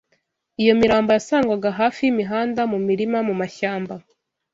Iyo mirambo yasangwaga hafi y’imihanda, mu mirima, mu mashyamba